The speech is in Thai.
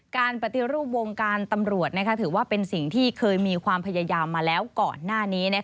การปฏิรูปวงการตำรวจถือว่าเป็นสิ่งที่เคยมีความพยายามมาแล้วก่อนหน้านี้